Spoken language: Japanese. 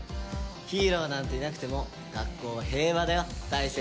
ヒーローなんていなくても学校は平和だよ大成。